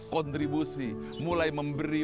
kontribusi mulai memberi